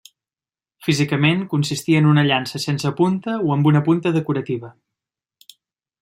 Físicament consistia en una llança sense punta o amb una punta decorativa.